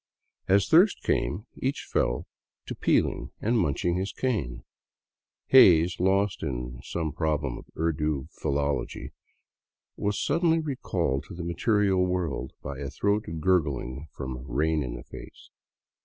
As thirst came, each fell to peeling and munching his cane. Hays, lost in some prob lem of Urdu philology, was suddenly recalled to the material world by a throat gurgle from " Rain in the Face."